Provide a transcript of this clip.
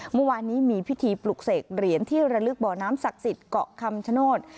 เมื่อวานนี้มีพิธีปลุกเสกเหรียญที่ระลึกบ่อน้ำศักดิ์สิทธิ์เกาะคำชโนธ